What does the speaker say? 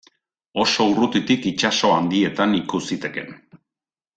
Oso urrutitik itsaso handietan ikus zitekeen.